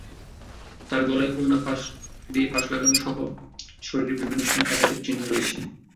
তাঁর গলায় ওড়না দিয়ে ফাঁস লাগানোসহ শরীরের বিভিন্ন স্থানে আঘাতের চিহ্ন রয়েছে।